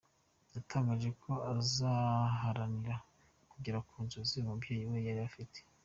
Yatangaje ko azaharanira kugera ku nzozi umubyeyi we yari afite.